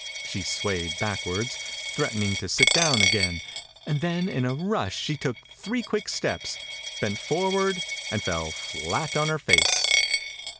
She swayed backward, threat ening to sit down again, and then in a rush she took three quick steps, bent forward and fell flat on her face.